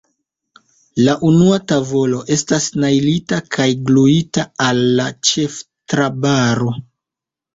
La unua tavolo estas najlita kaj gluita al la ĉeftrabaro.